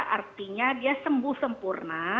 artinya dia sembuh sempurna